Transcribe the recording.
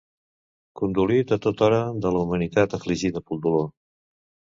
Condolit a tota hora de la humanitat afligida pel dolor